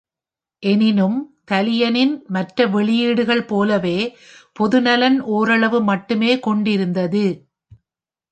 எனினும், தலியனின் மற்ற வெளியீடுகள் போலவே பொதுநலன் ஓரளவு மட்டுமே கொண்டிருந்தது.